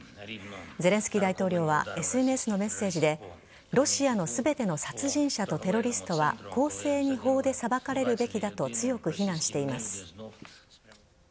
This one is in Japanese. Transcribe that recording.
ゼレンスキー大統領はＳＮＳのメッセージでロシアの全ての殺人者とテロリストは公正に法で裁かれるべきだと強く非難しています。